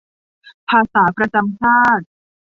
ภาษาประจำชาติ